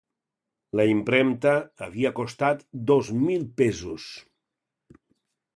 La impremta havia costat dos mil pesos.